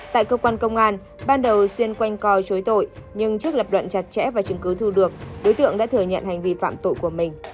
tại cơ quan công an ban đầu xuyên quanh co chối tội nhưng trước lập luận chặt chẽ và chứng cứ thu được đối tượng đã thừa nhận hành vi phạm tội của mình